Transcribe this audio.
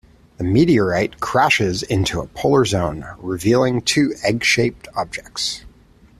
The meteorite crashes into a polar zone, revealing two egg-shaped objects.